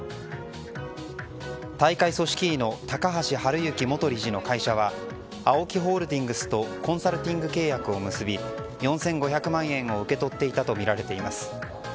大会組織委の高橋治之元理事の会社はＡＯＫＩホールディングスとコンサルティング契約を結び４５００万円を受け取っていたとみられています。